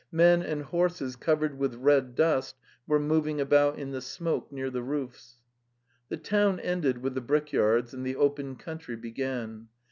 Men and horses covered with red dust were moving about in the smoke near the roofs. ... The town ended with the brickyards and the open country began.